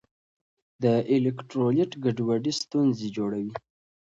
د الیکټرولیټ ګډوډي ستونزې جوړوي.